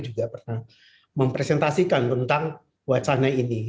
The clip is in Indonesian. juga pernah mempresentasikan tentang wacana ini